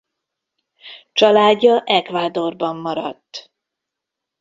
Családja Ecuadorban maradt.